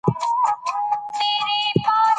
که ایوب خان هوښیار نه وای، نو ماتې به یې خوړلې وه.